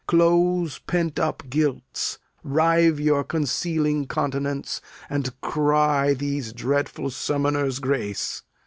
Close pent up guilts, Rive your concealing continents, and cry These dreadful summoners grace.